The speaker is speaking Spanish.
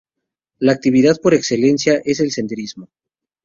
La actividad por excelencia es el senderismo.